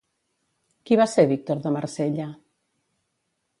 Qui va ser Víctor de Marsella?